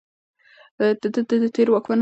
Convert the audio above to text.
ده د تېرو واکمنانو تېروتنې نه تکرارولې.